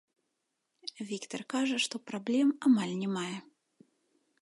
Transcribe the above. Віктар кажа, што праблем амаль не мае.